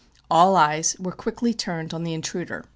All eyes were quickly turned on the invader.